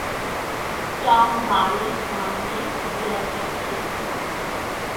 Tom বারে দাঁড়িয়ে beer খাচ্ছিল।